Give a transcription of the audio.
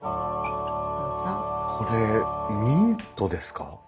これミントですか？